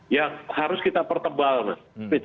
yang harus kita pertebal mas